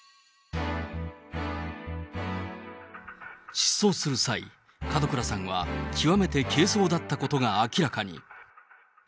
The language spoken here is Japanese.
失踪する際、門倉さんは極めて軽装だったことが明らかに。